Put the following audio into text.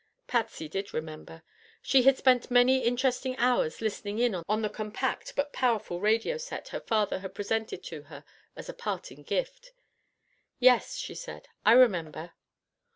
Patsy did remember. She had spent many interesting hours listening in on the compact but powerful radio set her father had presented to her as a parting gift. "Yes," she said, "I remember."